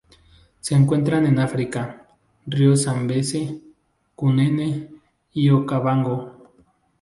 Se encuentran en África: ríos Zambeze, Cunene y Okavango.